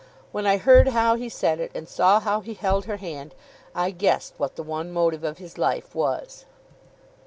When I heard how he said it, and saw how he held her hand, I guessed what the one motive of his life was.